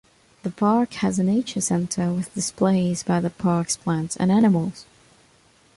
The park has a nature center with displays about the park's plants and animals.